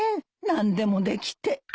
何でもできて。